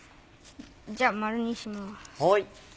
じゃあ丸にします。